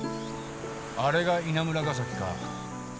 あれが稲村ヶ崎かぁ。